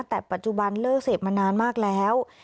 แต่ปัจจุบันเลิกเสพมานานมากแล้ว